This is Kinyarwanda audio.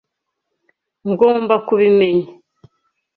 Ngomba kubimenya.